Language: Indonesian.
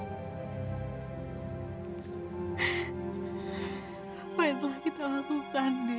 apa yang telah kita lakukan di